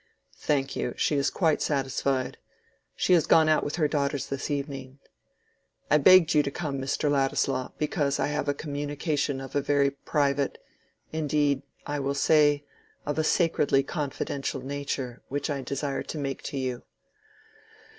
"Thank you, she is quite satisfied; she has gone out with her daughters this evening. I begged you to come, Mr. Ladislaw, because I have a communication of a very private—indeed, I will say, of a sacredly confidential nature, which I desire to make to you.